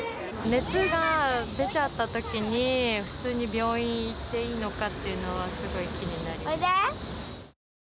熱が出ちゃったときに、普通に病院行っていいのかっていうのはすごい気になります。